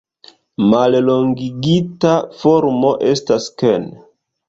Mallongigita formo estas Ken.